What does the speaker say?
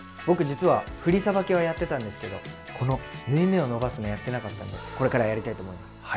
僕実は振りさばきはやってたんですけどこの縫い目を伸ばすのをやってなかったのでこれからはやりたいと思います。